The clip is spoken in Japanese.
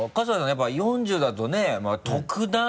やっぱり４０だとね特段